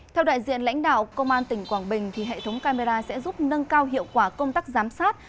theo đại diện lãnh đạo công an tỉnh quảng bình hệ thống camera sẽ giúp nâng cao hiệu quả công tác giám sát